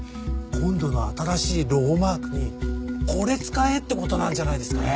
今度の新しいロゴマークにこれ使えって事なんじゃないですかね。